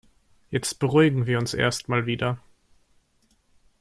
Jetzt beruhigen wir uns erst mal wieder.